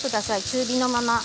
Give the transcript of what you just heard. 中火のまま。